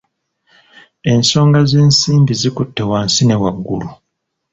Ensonga z’ensimbi zikutte wansi ne waggulu.